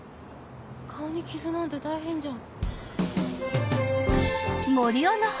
顔に傷なんて大変じゃん。